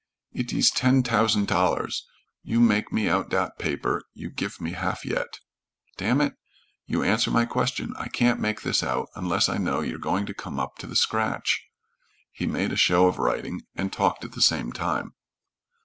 "It iss ten t'ousand tallers. You make me out dot paper you gif me half yet." "Damn it! You answer my question. I can't make this out unless I know you're going to come up to the scratch." He made a show of writing, and talked at the same time.